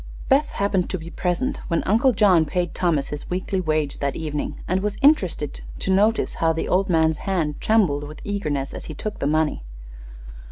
Beth happened to be present when Uncle John paid Thomas his weekly wage that evening, and was interested to notice how the old man's hand trembled with eagerness as he took the money.